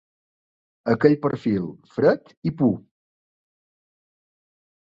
Aquell perfil, fred i pur.